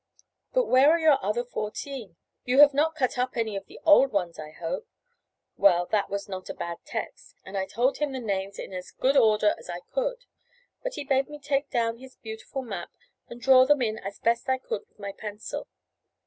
But where are your other fourteen? You have not cut up any of the old ones, I hope?" Well, that was not a bad text, and I told him the names in as good order as I could, and he bade me take down his beautiful map and draw them in as I best could with my pencil.